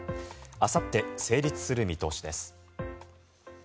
あさって、成立する見通しです。